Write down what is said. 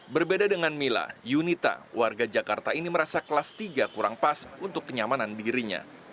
berbeda dengan mila yunita warga jakarta ini merasa kelas tiga kurang pas untuk kenyamanan dirinya